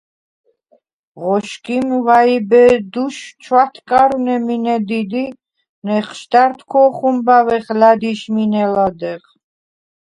ღოშგიმ ვა̈იბედუშვ ჩვათკარვნე მინე დიდ ი ნეჴშდა̈რდ ქოხუმბავეხ ლა̈დიშ მინე ლადეღ.